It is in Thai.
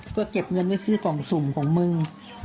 ก็เก็บเงินไว้ซื้อกล่องสุ่มของมึง